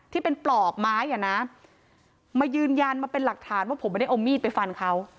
ที่เป็นปลอกไม้อ่ะนะมายืนยันมาเป็นหลักฐานว่าผมไม่ได้เอามีดไปฟันเขา